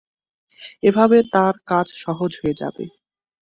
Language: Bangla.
এভাবে তাঁর কাজ সহজ হয়ে যাবে।